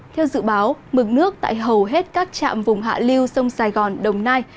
theo dự báo mực nước tại hầu hết các trạm vùng hạ lưu sông sài gòn đồng nai